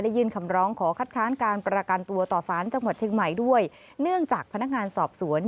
ยื่นคำร้องขอคัดค้านการประกันตัวต่อสารจังหวัดเชียงใหม่ด้วยเนื่องจากพนักงานสอบสวน